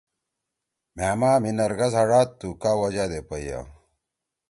مھأما مھی نرگس ہاڙادتُو کا وجہ دے پئیا